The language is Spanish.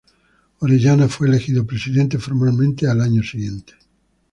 Orellana fue elegido presidente formalmente el año siguiente.